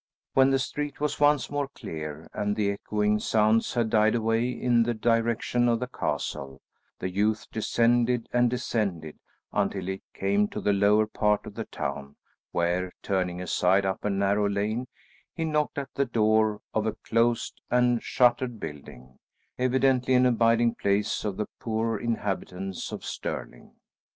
[Illustration: "OUT OF THE WAY, FELLOW!"] When the street was once more clear and the echoing sounds had died away in the direction of the castle, the youth descended and descended until he came to the lower part of the town where, turning aside up a narrow lane, he knocked at the door of a closed and shuttered building, evidently an abiding place of the poorer inhabitants of Stirling.